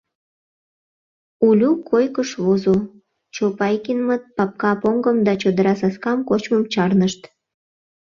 Улю койкыш возо — Чопайкинмыт папка поҥгым да чодыра саскам кочмым чарнышт...